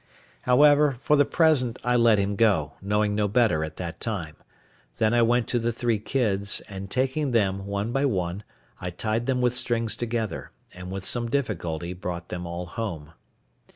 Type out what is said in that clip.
However, for the present I let him go, knowing no better at that time: then I went to the three kids, and taking them one by one, I tied them with strings together, and with some difficulty brought them all home.